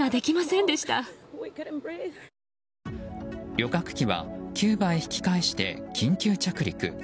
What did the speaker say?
旅客機はキューバへ引き返して緊急着陸。